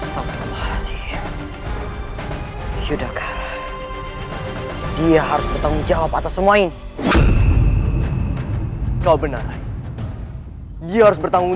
tetaplah sih sudahkah dia harus bertanggung jawab atas semua ini kau benar dia harus bertanggung